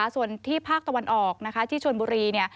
ส่วนที่ภาคตะวันออกนะคะที่ชนบุรี